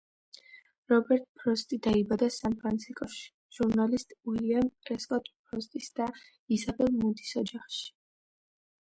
რობერტ ფროსტი დაიბადა სან-ფრანცისკოში, ჟურნალისტ უილიამ პრესკოტ ფროსტის და ისაბელ მუდის ოჯახში.